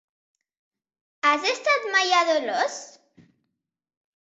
Has estat mai a Dolors?